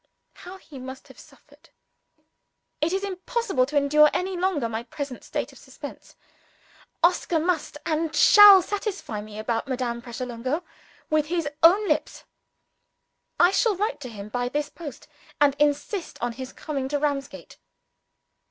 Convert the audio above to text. How he must have suffered! It is impossible to endure, any longer, my present state of suspense. Oscar must, and shall, satisfy me about Madame Pratolungo with his own lips. I shall write to him by this post, and insist on his coming to Ramsgate.